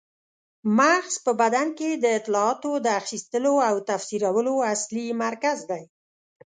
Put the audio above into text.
مغز په بدن کې د اطلاعاتو د اخیستلو او تفسیرولو اصلي مرکز دی.